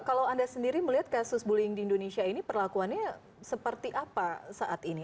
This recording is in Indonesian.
kalau anda sendiri melihat kasus bullying di indonesia ini perlakuannya seperti apa saat ini